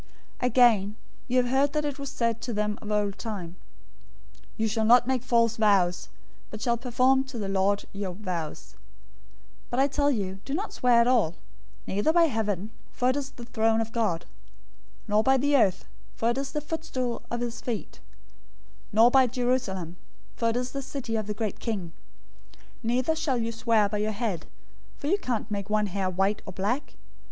005:033 "Again you have heard that it was said to them of old time, 'You shall not make false vows, but shall perform to the Lord your vows,' 005:034 but I tell you, don't swear at all: neither by heaven, for it is the throne of God; 005:035 nor by the earth, for it is the footstool of his feet; nor by Jerusalem, for it is the city of the great King. 005:036 Neither shall you swear by your head, for you can't make one hair white or black.